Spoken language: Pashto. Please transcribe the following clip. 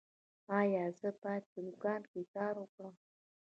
ایا زه باید په دوکان کې کار وکړم؟